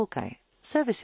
そうですね。